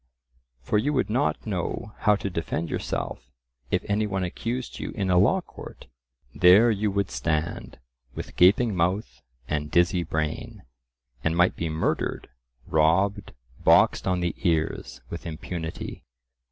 For you would not know how to defend yourself if any one accused you in a law court,—there you would stand, with gaping mouth and dizzy brain, and might be murdered, robbed, boxed on the ears with impunity.